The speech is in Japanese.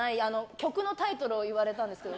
曲のタイトルを言われたんです。